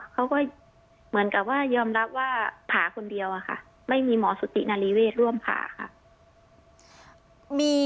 เขาก็เหมือนกับว่ายอมรับว่าผ่าคนเดียวอะค่ะไม่มีหมอสุตินารีเวศร่วมผ่าค่ะ